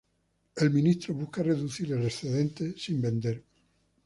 El ministro busca reducir el excedente sin vender.